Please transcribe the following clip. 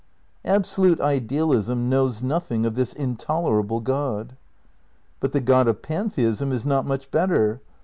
Absolute Ideal ism knows nothing of this intolerable God. But the God of pantheism is not much better.